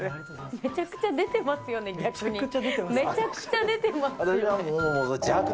めちゃくちゃ出てますよね、めちゃくちゃ出てますよね。